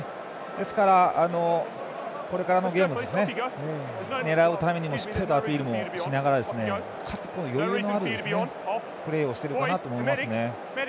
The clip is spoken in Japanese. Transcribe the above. ですから、これからのゲーム狙うためにもしっかりとアピールもしながらかつ、余裕のあるプレーをしてるかなと思いますね。